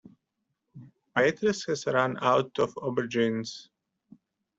Waitrose has run out of aubergines